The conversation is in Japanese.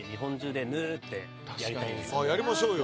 やりましょうよ。